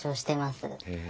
へえ。